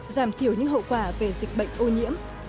giảm thiểu những hậu quả về dịch bệnh ô nhiễm